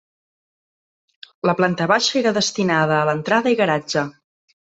La planta baixa era destinada a l'entrada i garatge.